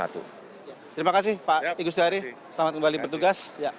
terima kasih pak iqus dari selamat kembali bertugas